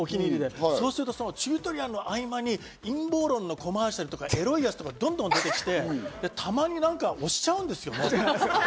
そのチュートリアルの合間に陰謀論のコマーシャルとか、エロいやつとか、どんどん出てきて、たまに何か押しちゃうんですよね。